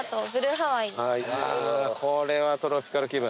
これはトロピカル気分。